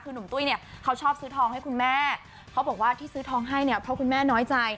คือหนุ่มตุ้ยเนี่ยเขาชอบซื้อทองให้คุณแม่เขาบอกว่าที่ซื้อทองให้เนี่ยเพราะคุณแม่น้อยใจ